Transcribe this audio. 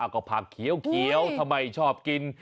ก็ผักเขียวทำไมชอบกิน